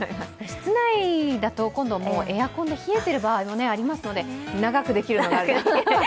室内だと、今度エアコンで冷えている場合もありますので長くできるのがあると。